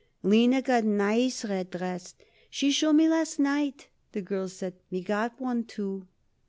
"Lina got nice red dress. She show it me last night," the girl said. "Me got one, too."